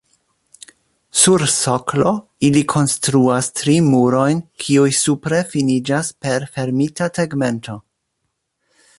Sur soklo ili konstruas tri murojn, kiuj supre finiĝas per fermita tegmento.